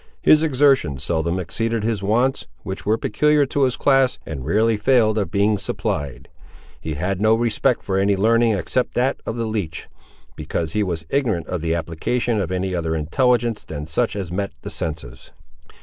His exertions seldom exceeded his wants, which were peculiar to his class, and rarely failed of being supplied. He had no respect for any learning except that of the leech; because he was ignorant of the application of any other intelligence than such as met the senses.